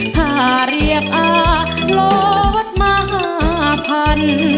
ถ้าเรียกอาลอธมาภัณฑ์